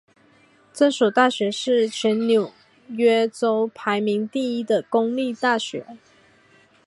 这所大学是全纽约州排名第一的公立大学。